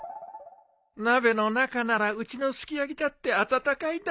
鍋の中ならうちのすき焼きだって温かいだろうが。